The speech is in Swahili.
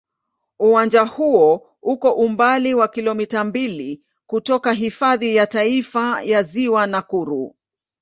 Uwanja huo uko umbali wa kilomita mbili kutoka Hifadhi ya Taifa ya Ziwa Nakuru.